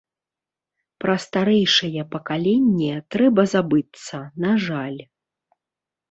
Пра старэйшае пакаленне трэба забыцца, на жаль.